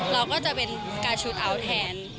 เราก็จะเป็นสกาชุดเอาท์แทน